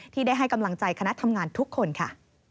ที่ได้ให้กำลังใจคณะทำงานทุกคนค่ะ